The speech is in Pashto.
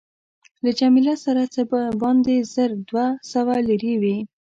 له جميله سره څه باندې زر دوه سوه لیرې وې.